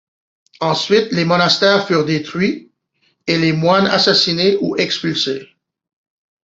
Ensuite, les monastères furent détruits et les moines assassinés ou expulsés.